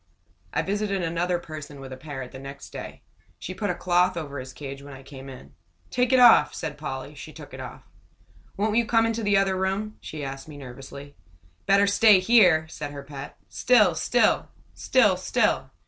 I visited another person with a parrot the next day. She put a cloth over his cage when I came in. "Take it off!" said Polly. She took it off. "Won't you come into the other room?" she asked me, nervously. "Better stay here!" said her pet. "Sit still sit still!"